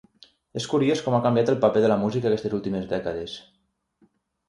És curiós com ha canviat el paper de la música aquestes últimes dècades